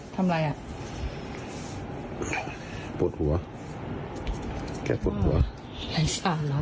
ทำไรอ่ะปวดหัวแกปวดหัวอ่ะนอนแล้ว